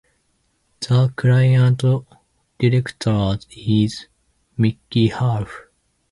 The current director is Mickey Huff.